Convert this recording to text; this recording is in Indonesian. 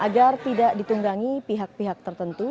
agar tidak ditunggangi pihak pihak tertentu